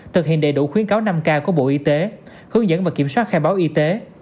thực hiện đầy đủ khuyến cáo năm k của bộ y tế hướng dẫn và kiểm soát khai báo y tế